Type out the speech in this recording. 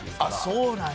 そうなんや。